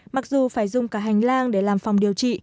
mặc dù phải dùng cả hành lang để làm phòng điều trị